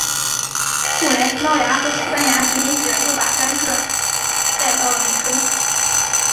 后来葡萄牙和西班牙殖民者又把甘蔗带到了美洲。